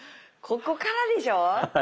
ここからでしょ？